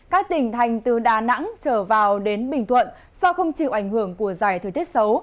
các tỉnh thành từ đà nẵng trở vào đến bình thuận do không chịu ảnh hưởng của dài thời tiết xấu